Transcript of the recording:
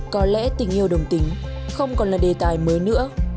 có lẽ tình yêu đồng tính không còn là đề tài mới nữa